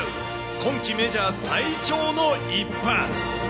今季メジャー最長の一発。